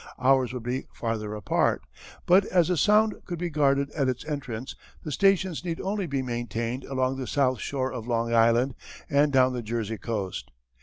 Ours would be farther apart, but as the Sound could be guarded at its entrance the stations need only be maintained along the south shore of Long Island and down the Jersey coast.